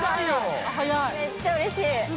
めっちゃうれしい。